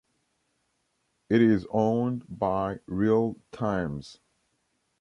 It is owned by Real Times.